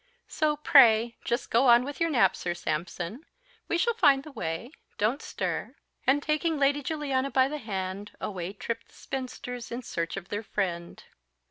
"So pray, just go on with your nap, Sir Sampson; we shall find the way don't stir;" and taking Lady Juliana by the hand, away tripped the spinsters in search of their friend.